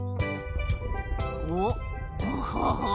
おっおほほ。